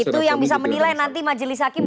itu yang bisa menilai nanti majelis hakim